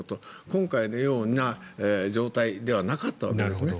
今回のような状態ではなかったわけですね。